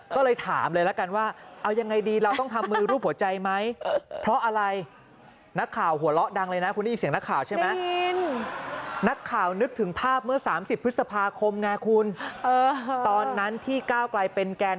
ก็เลยถามเลยแล้วกันว่าเอายังไงดีเราต้องทำมือรูปหัวใจไหม